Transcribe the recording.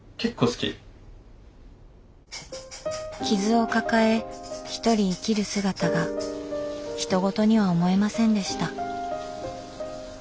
傷を抱えひとり生きる姿がひと事には思えませんでした。